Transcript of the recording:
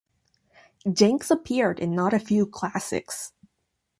Jenks appeared in not a few classics.